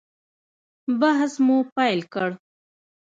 بحث مو پیل کړ.